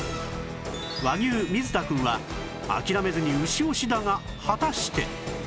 和牛水田くんは諦めずに牛推しだが果たして？